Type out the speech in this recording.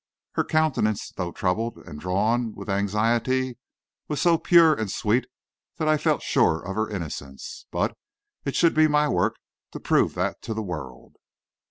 Her countenance, though troubled and drawn with anxiety, was so pure and sweet that I felt sure of her innocence. But it should be my work to prove that to the world.